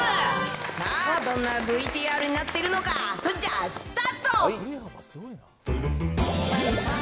さあ、どんなＶＴＲになっているのか、それじゃあ、スタート。